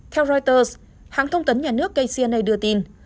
theo reuters hãng thông tấn nhà nước kcna đưa tin